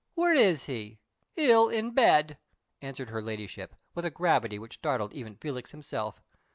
Where is he?" "Ill in bed," answered her ladyship, with a gravity which startled even Felix himself.